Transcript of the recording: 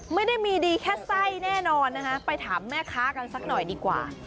ไม่ได้มีดีแค่ไส้แน่นอนนะคะไปถามแม่ค้ากันสักหน่อยดีกว่า